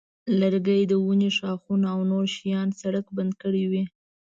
لرګي د ونې ښاخونه او نور شیان سړک بند کړی وي.